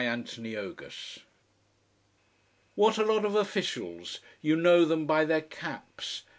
What a lot of officials! You know them by their caps.